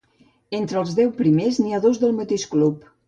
Entre els deu primers n'hi ha dos del mateix club.